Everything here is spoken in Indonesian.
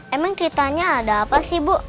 emang ceritanya ada apa sih bu